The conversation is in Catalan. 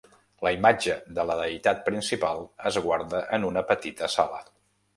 La imatge de la deïtat principal es guarda en una petita sala.